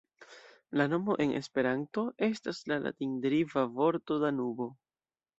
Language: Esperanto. La nomo en Esperanto estas la latin-deriva vorto "Danubo".